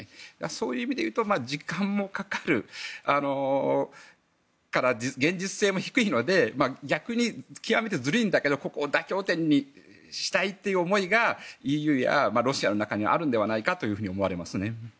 そういう意味でいうと時間もかかるから現実性も低いので逆に、極めてずるいんだけどここを妥協点にしたいという思いがＥＵやロシアの中にあるのではないかと思われます。